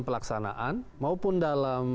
pelaksanaan maupun dalam